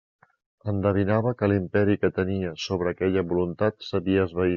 Endevinava que l'imperi que tenia sobre aquella voluntat s'havia esvaït.